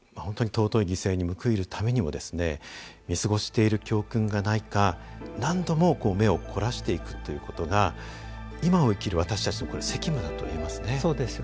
本当に尊い犠牲に報いるためにも見過ごしている教訓がないか何度も目を凝らしていくということが今を生きる私たちの責務だといえますね。